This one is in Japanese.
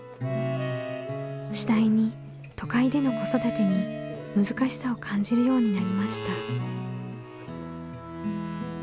次第に都会での子育てに難しさを感じるようになりました。